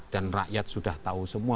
dan rakyat sudah tahu semua